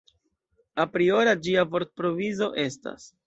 Apriora ĝia vortprovizo estas.